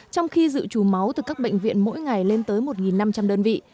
trong khi dự trù máu từ các bệnh viện mỗi ngày lên tới một năm trăm linh đơn vị